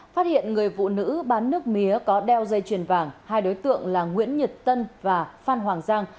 phát hiện người phụ nữ bán nước mía có đeo dây chuyền vàng hai đối tượng là nguyễn nhật tân và phan hoàng giang